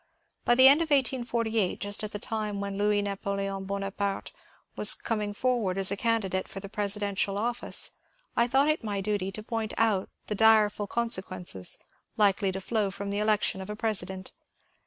By the end ot 1848, just at the time when Louis Napoleon Bonaparte was coming forward as a candidate for the presi dential office, I thought it my duty to point out the direful consequences likely to flow from tixe election of a president.